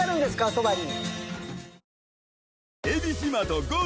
そばに。